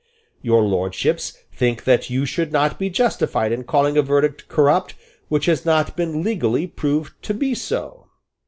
Your Lordships think that you should not be justified in calling a verdict corrupt which has not been legally proved to be so.